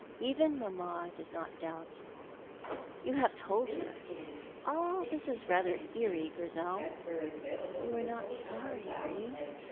Even mamma does not doubt." "You have told her! All this is rather eerie, Grizel." "You are not sorry, are you?"